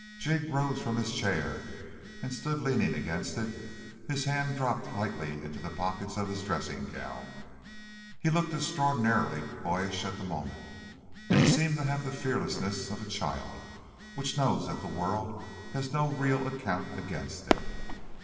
Jig rose from his chair and stood leaning against it, his hands dropped lightly into the pockets of his dressing gown. He looked extraordinarily boyish at that moment, and he seemed to have the fearlessness of a child which knows that the world has no real account against it.